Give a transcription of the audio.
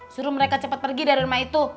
suruh mereka cepat pergi dari rumah itu